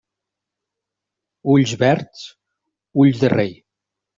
Ulls verds, ulls de rei.